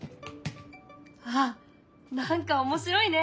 あっ何か面白いね。